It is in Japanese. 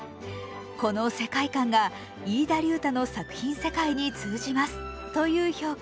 この世界観が飯田龍太の作品世界に通じます」という評価。